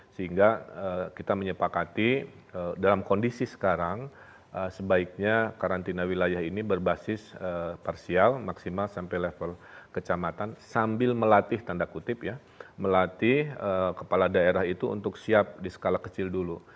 sehingga kita menyepakati dalam kondisi sekarang sebaiknya karantina wilayah ini berbasis parsial maksimal sampai level kecamatan sambil melatih tanda kutip ya melatih kepala daerah itu untuk siap di skala kecil dulu